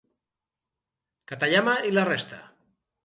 Katayama i la resta.